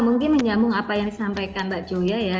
ya mungkin menyambung apa yang disampaikan mbak zoya ya